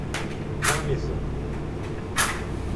Vingt maisons.